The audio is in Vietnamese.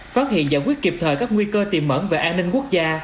phát hiện giải quyết kịp thời các nguy cơ tiềm mẫn về an ninh quốc gia